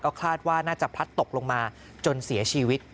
คาดว่าน่าจะพลัดตกลงมาจนเสียชีวิต